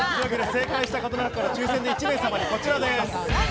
正解した方の中から抽選で１名様に、こちらです。